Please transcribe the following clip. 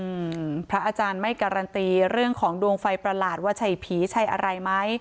อืมพระอาจารย์ไม่การันตีเรื่องของดวงไฟประหลาดว่าใช่ผีใช่อะไรไหม